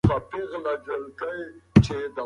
هڅه تقدیر نه بدلوي.